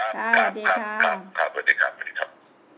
ค่ะสวัสดีค่ะค่ะสวัสดีค่ะสวัสดีครับ